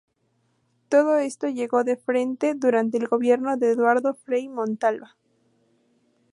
Todo esto llegó de frente durante el gobierno de Eduardo Frei Montalva.